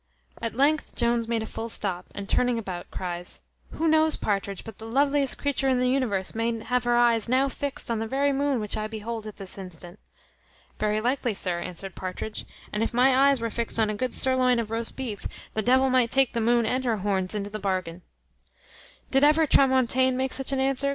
At length Jones made a full stop, and turning about, cries, "Who knows, Partridge, but the loveliest creature in the universe may have her eyes now fixed on that very moon which I behold at this instant?" "Very likely, sir," answered Partridge; "and if my eyes were fixed on a good surloin of roast beef, the devil might take the moon and her horns into the bargain." "Did ever Tramontane make such an answer?"